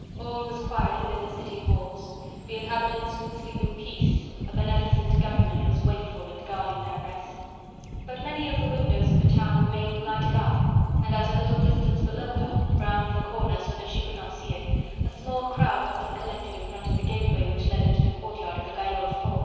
All was quiet within the city walls: the inhabitants could sleep in peace, a beneficent government was wakeful and guarding their rest. But many of the windows of the town remained lighted up, and at a little distance below her, round the corner so that she could not see it, a small crowd must have collected in front of the gateway which led into the courtyard of the Gayole Fort.